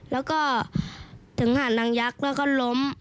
แล้วก็ถึงหาดนางยักษ์แล้วก็ล้ม